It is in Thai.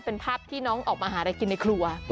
เป็นภาพที่น้องออกมาหาอะไรกินในครัว